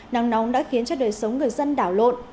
nắng nóng đã khiến cho đời sống người dân đảo lộn